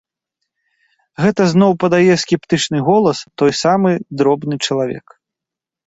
Гэта зноў падае скептычны голас той самы дробны чалавек.